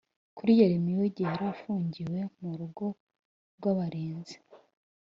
kuri yeremiya igihe yari afungiwe mu rugo rw abarinzi